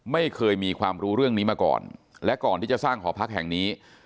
ไม่เคยมีความรู้เรื่องนี้มาก่อนและก่อนที่จะสร้างหอพักแห่งนี้